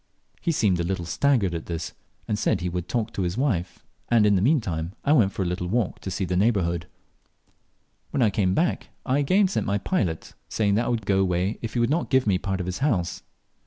He seemed a little staggered at this, and said he, would talk to his wife, and in the meantime I went for a little walk to see the neighbourhood. When I came back, I again sent my pilot, saying that I would go away if he would not dive me part of his house.